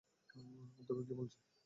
অধ্যক্ষ কি বলছে?